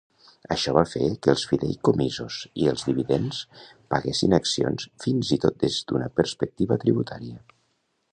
Això va fer que els fideïcomisos i els dividends paguessin accions fins i tot des d'una perspectiva tributaria.